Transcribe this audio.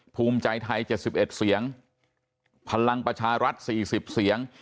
ภูมิใจไทย๗๑เสียงพลังประชารัฐ๔๐เสียง